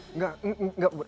enggak enggak put